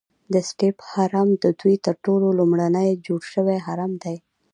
د سټیپ هرم ددوی تر ټولو لومړنی جوړ شوی هرم دی.